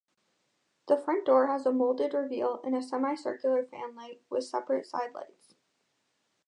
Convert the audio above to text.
The front door has a moulded reveal and a semi-circular fanlight, with separate sidelights.